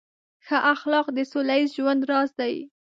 ښه اخلاق د سوله ییز ژوند راز دی.